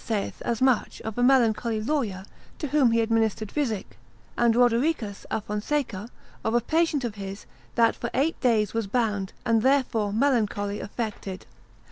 1, saith as much of a melancholy lawyer, to whom he administered physic, and Rodericus a Fonseca, consult. 85. tom. 2, of a patient of his, that for eight days was bound, and therefore melancholy affected.